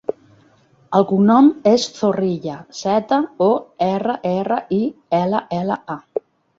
El cognom és Zorrilla: zeta, o, erra, erra, i, ela, ela, a.